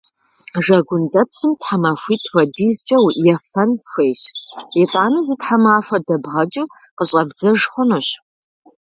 Жэгундэпсым тхьэмахуитӏ хуэдизкӏэ ефэн хуейщ. Итӏанэ зы тхьэмахуэ дэбгъэкӏыу къыщӏэбдзэж хъунущ.